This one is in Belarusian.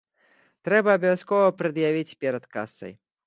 Трэба абавязкова прад'явіць перад касай.